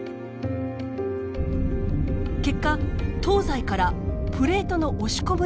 結果東西からプレートの押し込む力が働き